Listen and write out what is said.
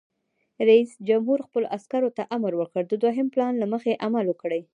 رئیس جمهور خپلو عسکرو ته امر وکړ؛ د دوهم پلان له مخې عمل وکړئ!